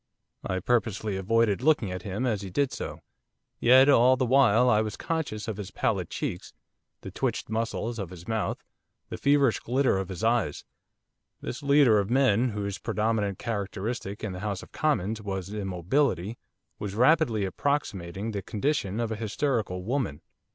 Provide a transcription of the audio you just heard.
I purposely avoided looking at him as he did so. Yet all the while I was conscious of his pallid cheeks, the twitched muscles of his mouth, the feverish glitter of his eyes, this Leader of Men, whose predominate characteristic in the House of Commons was immobility, was rapidly approximating to the condition of a hysterical woman.